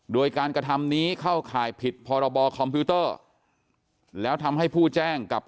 ด้วยการกระทำนี้เข้าข่ายผิดพบคแล้วทำให้ผู้แจ้งกับ